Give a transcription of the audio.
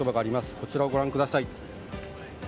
こちらをご覧ください。